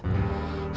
tidak ada apa apa